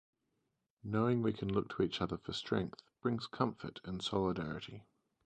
Knowing we can look to each other for strength brings comfort and solidarity.